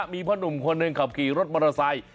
มีพ่อหนุ่มคนหนึ่งขับขี่รถมอเตอร์ไซค์